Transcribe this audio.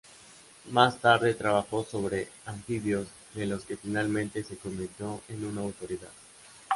Más tarde, trabajó sobre anfibios, de los que finalmente se convirtió en una autoridad.